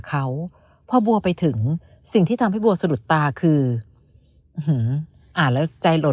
เขาพอบัวไปถึงสิ่งที่ทำให้บัวสะดุดตาคืออ่านแล้วใจหล่น